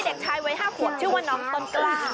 เด็กชายไว้ห้าหัวชื่อว่าน้องต้นกล้า